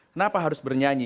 kenapa harus bernyanyi